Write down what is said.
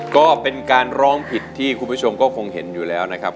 ก็เป็นการร้องผิดที่คุณผู้ชมก็คงเห็นอยู่แล้วนะครับ